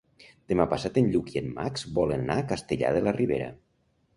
Demà passat en Lluc i en Max volen anar a Castellar de la Ribera.